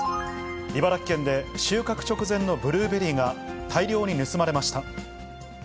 茨城県で収穫直前のブルーベリーが大量に盗まれました。